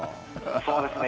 そうですね。